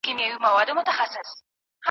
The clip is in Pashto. له کورني مرکز پرته پوهه نه وړاندي کېږي.